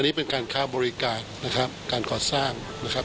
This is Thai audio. นี่เป็นการค้าบริการนะครับการก่อสร้างนะครับ